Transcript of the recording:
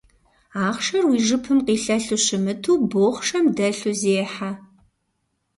Ахъшэр уи жыпым къилъэлъу щымыту, бохъшэм дэлъу зехьэ.